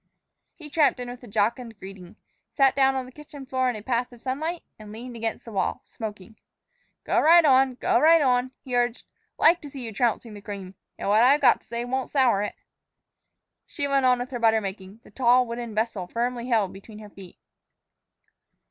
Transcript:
He tramped in with a jocund greeting, sat down on the kitchen floor in a path of sunlight, and leaned against the wall, smoking. "Go right on go right on," he urged. "Like to see you trouncing the cream. And what I've got to say won't sour it." She went on with her butter making, the tall, wooden vessel firmly held between her feet.